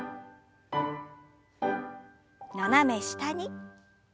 斜め下に。